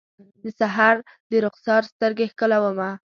د سحر درخسار سترګې ښکلومه